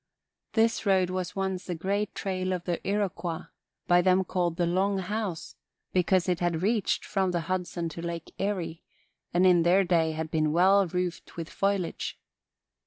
This road was once the great trail of the Iroquois, by them called the Long House, because it had reached from the Hudson to Lake Erie, and in their day had been well roofed with foliage.